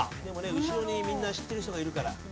でもね後ろにみんな知ってる人がいるから。